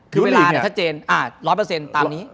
คือเวลาเนี่ยถ้าเจน๑๐๐ตามนี้